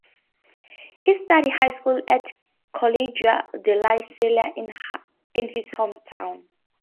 He studied high school at Colegio de La Salle in his hometown.